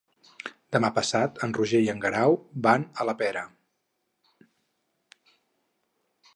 Demà passat en Roger i en Guerau van a la Pera.